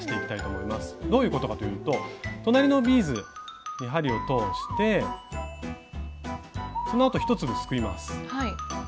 どういうことかというと隣のビーズに針を通してそのあと１粒すくいます。